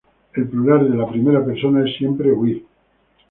El plural de la primera persona es siempre "we".